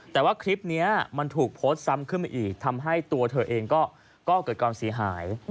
แต่ว่าคลิปนี้มันถูกโพสต์ซ้ำขึ้นมาอีกทำให้ตัวเธอเองก็เกิดความเสียหาย